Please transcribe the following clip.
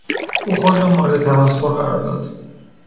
او خود را مورد تمسخر قرار داد.